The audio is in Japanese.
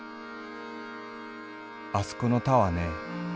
「あすこの田はねえ